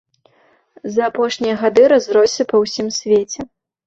За апошнія гады разросся па ўсім свеце.